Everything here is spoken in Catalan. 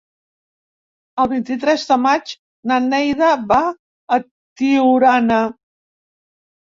El vint-i-tres de maig na Neida va a Tiurana.